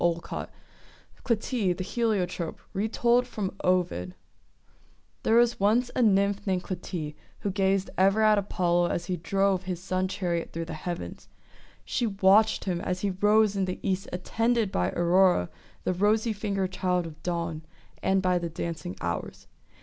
^ CLYTIE, THE HELIOTROPE Retold from Ovid THERE was once a Nymph named Clytie, who gazed ever at Apollo as he drove his sun chariot through the heavens. She watched him as he rose in the east attended by Aurora, the rosy fingered child of Dawn, and by the dancing Hours.